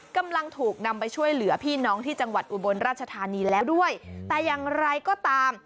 กำลังถูกนำไปช่วยเหลือพี่น้องที่จังหวัดอุบลราชธานีแล้วด้วยแต่อย่างไรก็ตาม